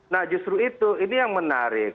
nah justru itu ini yang menarik